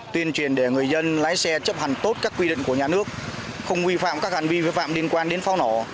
tuyên truyền để người dân lái xe chấp hành tốt các quy định của nhà nước không vi phạm các hành vi vi phạm liên quan đến pháo nổ